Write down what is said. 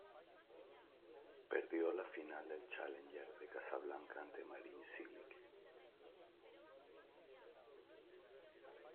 Perdió la final del Challenger de Casablanca ante Marin Čilić.